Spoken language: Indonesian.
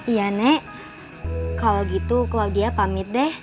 iya nek kalau gitu claudia pamit deh